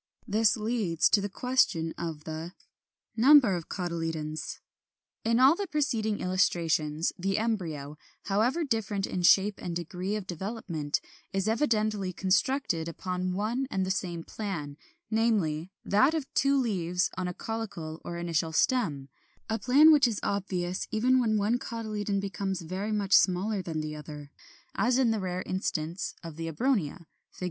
This leads to the question of the 36. =Number of Cotyledons.= In all the preceding illustrations, the embryo, however different in shape and degree of development, is evidently constructed upon one and the same plan, namely, that of two leaves on a caulicle or initial stem, a plan which is obvious even when one cotyledon becomes very much smaller than the other, as in the rare instance of Abronia (Fig.